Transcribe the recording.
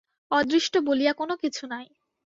অদৃষ্ট বলিয়া কোন কিছু নাই।